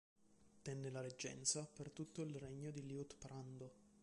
Tenne la reggenza per tutto il regno di Liutprando.